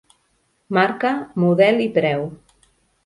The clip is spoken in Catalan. Marca, model i preu.